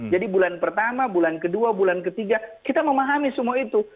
jadi bulan pertama bulan kedua bulan ketiga kita memahami semua itu